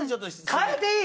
変えていい？